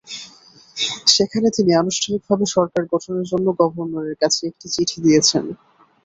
সেখানে তিনি আনুষ্ঠানিকভাবে সরকার গঠনের জন্য গভর্নরের কাছে একটি চিঠি দিয়েছেন।